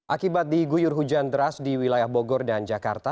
akibat diguyur hujan deras di wilayah bogor dan jakarta